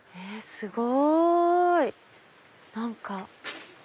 すごい！何か。